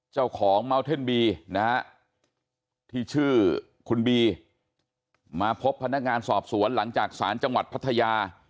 เมาเท่นบีนะฮะที่ชื่อคุณบีมาพบพนักงานสอบสวนหลังจากสารจังหวัดพัทยา